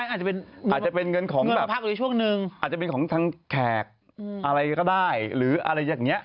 อาจจะเป็นเงินของแบบอาจจะเป็นของทางแขกอะไรก็ได้หรืออะไรอย่างนี้